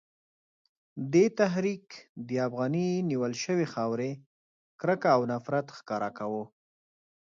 دې تحریک د افغاني نیول شوې خاورې کرکه او نفرت ښکاره کاوه.